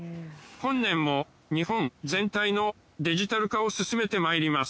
本年も日本全体のデジタル化を進めてまいります。